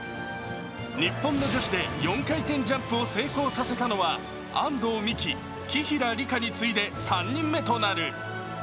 日本の女子で４回転ジャンプを成功させたのは安藤美姫、紀平梨花に続いて３人目となる。